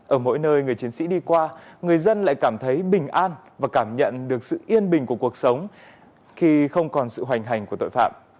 ở mỗi nơi người chiến sĩ đi qua người dân lại cảm thấy bình an và cảm nhận được sự yên bình của cuộc sống khi không còn sự hoành hành của tội phạm